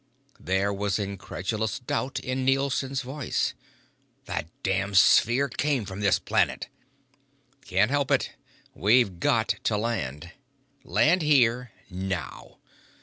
There was incredulous doubt in Nielson's voice. "That damned sphere came from this planet." "Can't help it. We've got to land." "Land here, now!"